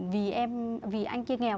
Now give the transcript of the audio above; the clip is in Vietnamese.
vì anh kia nghèo